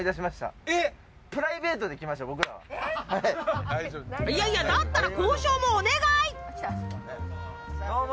いやいやだったら交渉もお願い。